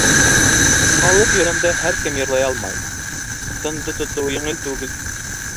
Халыҡ йырын да һәр кем йырлай алмай, тынды тотоуы еңел түгел.